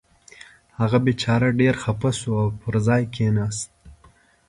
هغه بېچاره ډېر خفه شو او پر ځای کېناست.